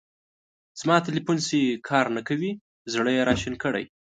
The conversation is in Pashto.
زما تیلیفون سیی کار نه کوی. زړه یې را شین کړی.